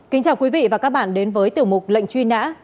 kính chào quý vị và các bạn đến với tiểu mục lệnh truy nã